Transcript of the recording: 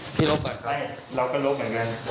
ไม่เราก็ลบเหมือนกัน